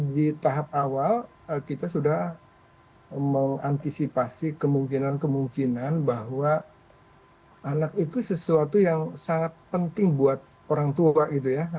di tahap awal kita sudah mengantisipasi kemungkinan kemungkinan bahwa anak itu sesuatu yang sangat penting buat orang tua gitu ya